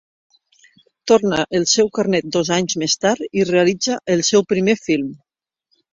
Torna el seu carnet dos anys més tard i realitza el seu primer film.